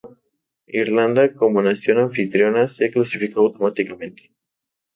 Irlanda, como nación anfitriona, se clasificó automáticamente.